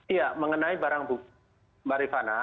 iya mengenai barang bukti mbak rifana